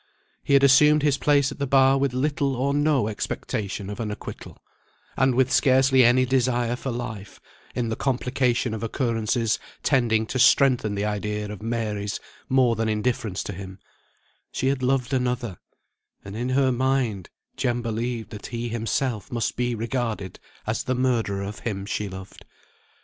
He had assumed his place at the bar with little or no expectation of an acquittal; and with scarcely any desire for life, in the complication of occurrences tending to strengthen the idea of Mary's more than indifference to him; she had loved another, and in her mind Jem believed that he himself must be regarded as the murderer of him she loved.